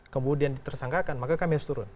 kemudian ditersangkakan maka kami harus turun